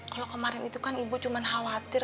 kalau kemarin itu kan ibu cuma khawatir